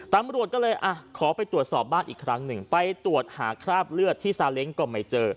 ตำรวจก็เลยอ่ะขอไปตรวจสอบบ้านอีกครั้งหนึ่งไปตรวจหาคราบเลือดที่ซาเล้งก็ไม่เจอ